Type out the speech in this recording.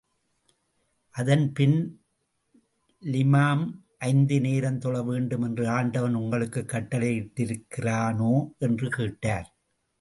அதன்பின் லிமாம், ஐந்து நேரம் தொழ வேண்டும் என்று ஆண்டவன் உங்களுக்குக் கட்டளையிட்டிருக்கிறானோ? என்று கேட்டார்.